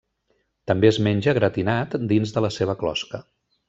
També es menja gratinat dins de la seva closca.